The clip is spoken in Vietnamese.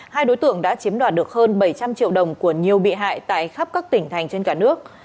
hai đối tượng đã chiếm đoạt được hơn bảy trăm linh triệu đồng của nhiều bị hại tại khắp các tỉnh thành trên cả nước